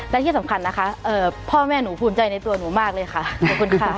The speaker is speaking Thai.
และที่สำคัญนะคะพ่อแม่หนูภูมิใจในตัวหนูมากเลยค่ะขอบคุณค่ะ